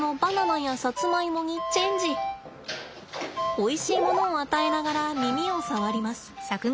おいしいものを与えながら耳を触ります。